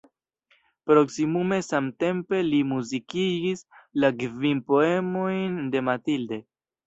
Proksimume samtempe li muzikigis la kvin poemojn de Mathilde.